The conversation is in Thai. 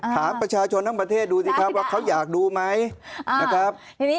ถามประชาชนทั้งประเทศดูสิครับว่าเขาอยากดูไหมนะครับ